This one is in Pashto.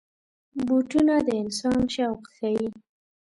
بوټونه د انسان شوق ښيي.